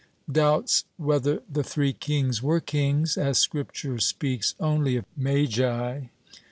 — Doubts whether the Three Kings were kings, as Scripture speaks only of Magi.